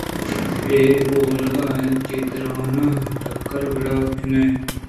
اے اولگا اَت کہ داران ٹکرّ ءُگرڈہ کنان اَت